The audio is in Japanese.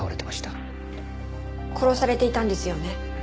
殺されていたんですよね。